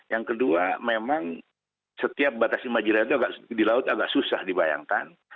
yang kedua memang setiap batas imajinasi di laut agak susah dibayangkan